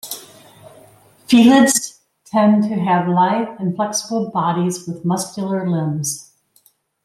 Felids tend to have lithe and flexible bodies with muscular limbs.